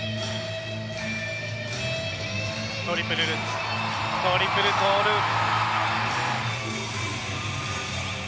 トリプルルッツトリプルトーループ。